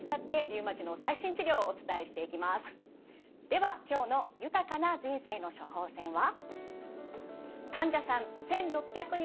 では今日の「豊かな人生の処方せん」は？